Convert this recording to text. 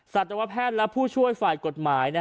สัตวแพทย์และผู้ช่วยฝ่ายกฎหมาย